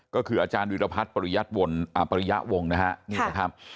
ก็คืออาจารย์วิรพัฒน์ปริยะวงนะครับ